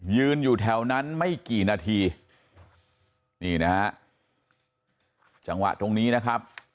ยืนอยู่แถวนั้นไม่กี่นาทีนี่นะฮะจังหวะตรงนี้นะครับ